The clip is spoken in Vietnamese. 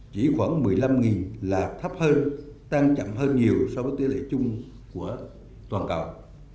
chỉ khoảng một mươi năm là thấp hơn tăng chậm hơn nhiều so với tỷ lệ chung của toàn cầu